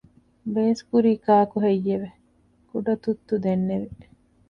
ބޭސްކުރީ ކާކުހެއްޔެވެ؟ ކުޑަތުއްތު ދެންނެވި